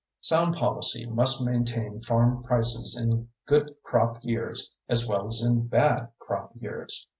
Sound policy must maintain farm prices in good crop years as well as in bad crop years.